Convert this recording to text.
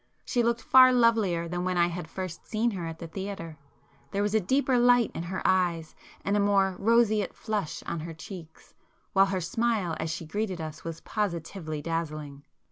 She looked far lovelier than when I had first seen her at the theatre; there was a deeper light in her eyes and a more roseate flush on her cheeks, while her smile as she greeted us was positively dazzling.